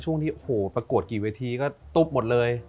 ช่วงที่โอ้โหประกวดกี่เวทีก็ตุ๊บหมดเลย